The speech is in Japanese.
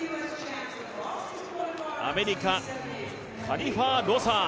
アメリカ、カリファー・ロサー。